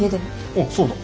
あっそうだ。